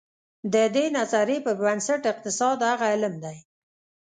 د دې نظریې پر بنسټ اقتصاد هغه علم دی.